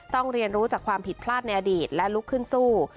เรียนรู้จากความผิดพลาดในอดีตและลุกขึ้นสู้